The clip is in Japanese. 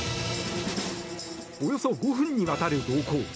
およそ５分にわたる暴行。